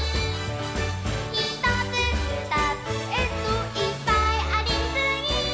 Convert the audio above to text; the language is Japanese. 「ひとつふたつえっといっぱいありすぎー！！」